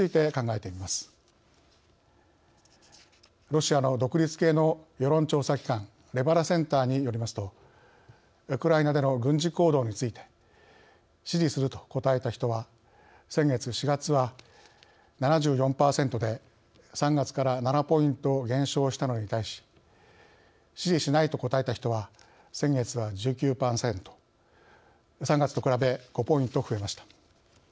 ロシアの独立系の世論調査機関レバダセンターによりますとウクライナでの軍事行動について「支持する」と答えた人は先月４月は７４％で３月から７ポイント減少したのに対し「支持しない」と答えた人は先月は１９％３月と比べ５ポイント増えました。